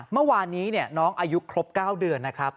เมื่อวานนี้น้องอายุครบ๙เดือนนะครับ